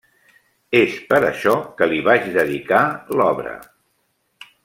És per això què li vaig dedicar l'obra.